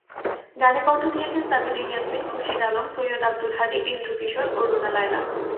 গানে কণ্ঠ দিয়েছেন সাবিনা ইয়াসমিন, খুরশিদ আলম, সৈয়দ আব্দুল হাদী, এন্ড্রু কিশোর ও রুনা লায়লা।